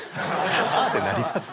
「あっ」てなりますか？